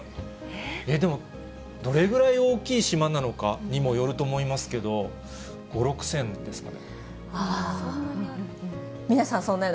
でも、どれぐらい大きい島なのかにもよると思いますけれども、５、そんなにある？